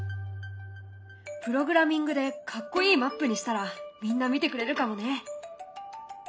プログラミングでかっこいいマップにしたらみんな見てくれるかもね。